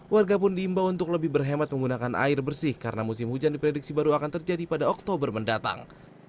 warga pun diimbau untuk lebih berhemat menggunakan air bersih karena musim hujan diprediksi baru akan terjadi pada oktober mendatang